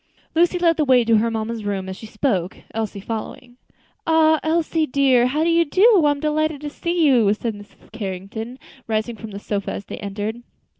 Lucy led the way to her mamma's room, as she spoke, Elsie following. "Ah! Elsie dear, how do you do? I'm delighted to see you," said Mrs. Carrington, rising from the sofa as they entered.